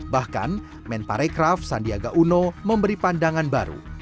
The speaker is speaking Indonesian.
bahkan men parekraf sandiaga uno memberi pandangan baru